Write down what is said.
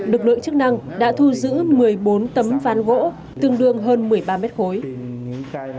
lực lượng chức năng đã thu giữ một mươi bốn tấm ván gỗ tương đương hơn một mươi ba mét khối